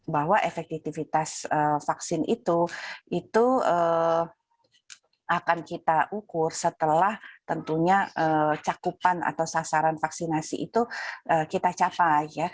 bahwa efektivitas vaksin itu itu akan kita ukur setelah tentunya cakupan atau sasaran vaksinasi itu kita capai